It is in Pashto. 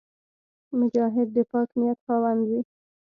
مجاهد د پاک نیت خاوند وي.